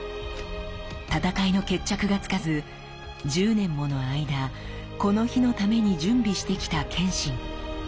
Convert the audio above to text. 戦いの決着がつかず１０年もの間この日のために準備してきた謙信。